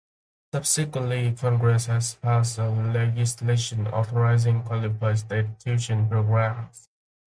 Subsequently, Congress has passed new legislation authorizing qualified state tuition programs.